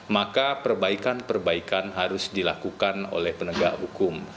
maka perbaikan perbaikan harus dilakukan oleh penegak hukum